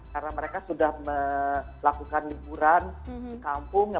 karena mereka sudah melakukan liburan di kampung